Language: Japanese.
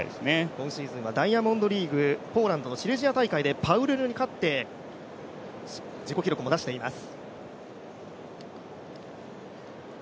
今シーズンはダイヤモンドリーグ、ポーランドでパウリノに勝って自己記録も出しています。